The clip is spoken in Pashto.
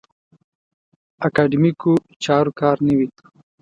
اکاډیمیکو چارو کار نه وي.